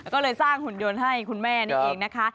ก็เลยสร้างหุ่นยนต์ให้คุณแม่นี่เองนะคะ